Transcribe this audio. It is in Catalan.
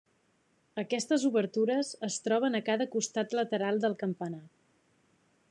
Aquestes obertures es troben a cada costat lateral del campanar.